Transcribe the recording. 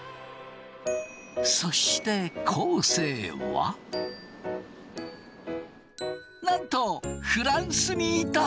そして昴生はなんとフランスにいた！